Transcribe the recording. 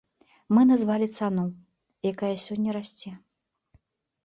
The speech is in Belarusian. Мы назвалі цану, якая сёння расце.